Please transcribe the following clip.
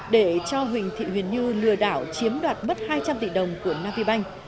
để cho huỳnh thị huyền như lừa đảo chiếm đoạt bất hai trăm linh tỷ đồng của navibank